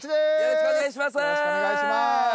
よろしくお願いします。